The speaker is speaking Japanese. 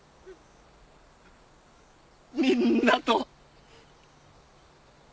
みんなと。